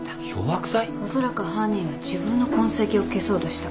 おそらく犯人は自分の痕跡を消そうとした。